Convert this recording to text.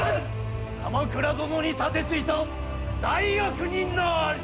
鎌倉殿に盾ついた大悪人なり！